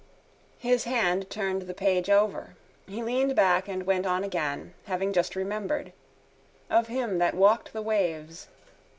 His hand turned the page over. He leaned back and went on again, having just remembered. Of him that walked the waves.